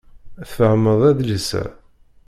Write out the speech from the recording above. Tfehmeḍ adlis-a?